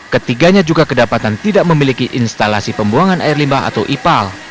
ketiganya juga kedapatan tidak memiliki instalasi pembuangan air limbah atau ipal